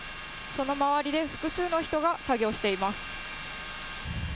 その周りで複数の人が作業しています。